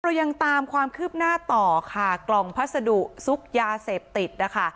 เรายังตามความคืบหน้าต่อค่ะกล่องพัสดุซุกยาเสพติดนะคะ